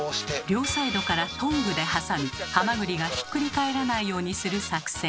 両サイドからトングで挟みハマグリがひっくり返らないようにする作戦。